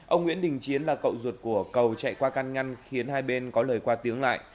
ông nguyễn đình chiến là cậu ruột của cầu chạy qua căn ngăn khiến hai bên có lời qua tiếng lại